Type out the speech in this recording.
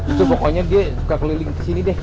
itu pokoknya dia suka keliling ke sini deh